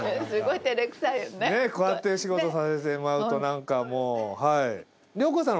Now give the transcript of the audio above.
ねえこうやってお仕事させてもらうとなんかもうはい。